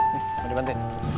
nih mau dibantuin